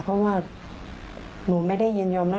เพราะว่าหนูไม่ได้ยินยอมนะ